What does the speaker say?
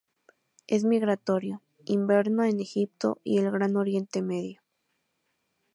Es migratorio, inverna en Egipto y el Gran Oriente Medio.